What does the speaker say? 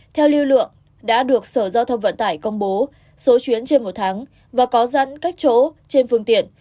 theo lưu lượng đã được sở giao thông vận tải công bố số chuyến trên một tháng và có dẫn cách chỗ trên phương tiện